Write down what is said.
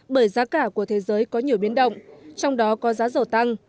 bởi giá cả của thế giới có nhiều biến động trong đó có giá dầu tăng